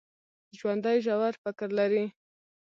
ژوندي ژور فکر لري